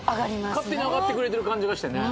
勝手に上がってくれてる感じがしてね。